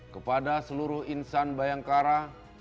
kepada seluruh insan bayangkara